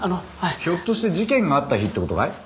ひょっとして事件があった日って事かい？